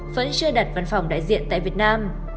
vẫn chưa đặt văn phòng đại diện tại việt nam